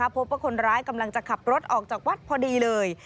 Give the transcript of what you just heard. พบว่าคนร้ายกำลังจะขับรถออกจากวัดพอดีเลย